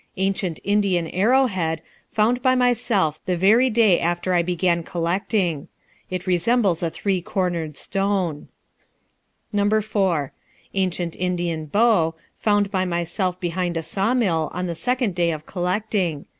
Ancient Indian arrowhead, found by myself the very day after I began collecting. It resembles a three cornered stone. No. 4. Ancient Indian bow, found by myself behind a sawmill on the second day of collecting.